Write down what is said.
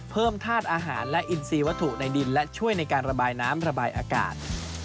ธาตุอาหารและอินซีวัตถุในดินและช่วยในการระบายน้ำระบายอากาศ